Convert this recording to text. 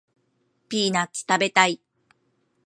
ピーナッツ食べたい